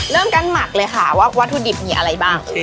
เริ่มการหมักเลยค่ะว่าวัตถุดิบมีอะไรบ้าง